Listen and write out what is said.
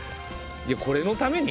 これのために。